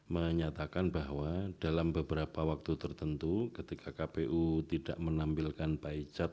menyatakan bahwa dalam beberapa waktu tertentu ketika kpu tidak menampilkan by chat